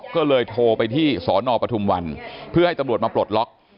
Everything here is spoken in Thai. ก็เลยโทรไปที่สนปทุมวันเพื่อให้ตำรวจมาปลดล็อก